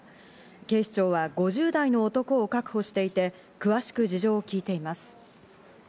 警視庁は５０代の男を確保していて、詳しく事情を聞いています。